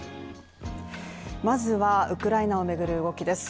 まずはウクライナを巡る動きです。